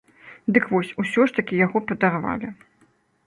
Дык вось, усё ж такі яго падарвалі.